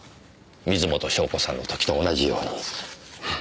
水元湘子さんの時と同じように。